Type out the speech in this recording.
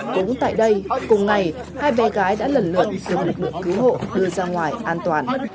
cũng tại đây cùng ngày hai bé gái đã lần lượt được lực lượng cứu hộ đưa ra ngoài an toàn